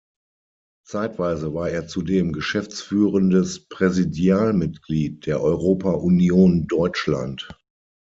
Zeitweise war er zudem geschäftsführendes Präsidialmitglied der Europa-Union Deutschland.